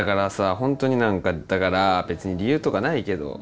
本当に何かだから別に理由とかないけど。